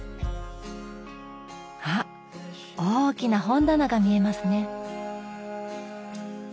あっ大きな本棚が見えますね。